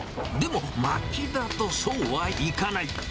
でも、まきだとそうはいかない。